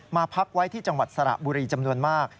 พักไว้ที่จังหวัดสระบุรีจำนวนมาก